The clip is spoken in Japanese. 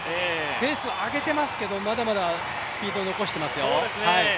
ペースを上げていますけどまだまだスピードを残していますよ。